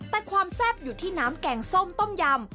แต่ความแซ่บอยู่ที่น้ำแกงส้มต้มยำ